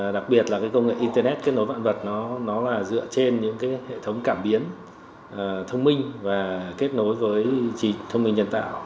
đặc biệt là công nghệ internet kết nối vạn vật nó là dựa trên những hệ thống cảm biến thông minh và kết nối với thông minh nhân tạo